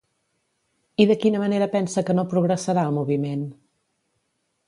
I de quina manera pensa que no progressarà el moviment?